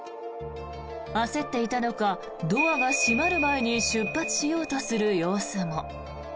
焦っていたのかドアが閉まる前に出発しようとする様子も。